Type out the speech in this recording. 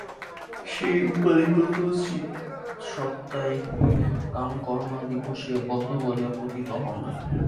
সেই উপাধিগত চিৎসত্তাই কামকর্মাদিবশে বদ্ধ বলিয়া প্রতীত হন।